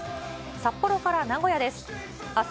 札幌から名古屋です。